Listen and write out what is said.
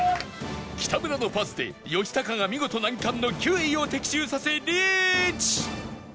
北村のパスで吉高が見事難関の９位を的中させリーチ！